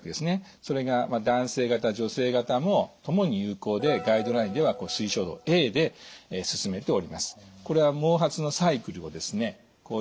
それが男性型女性型も共に有効でガイドラインでは推奨度Ａで勧めております。